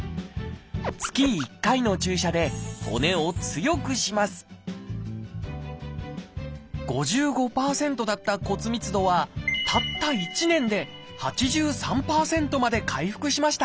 月１回の注射で骨を強くします５５％だった骨密度はたった１年で８３％まで回復しました。